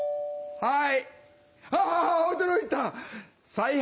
はい。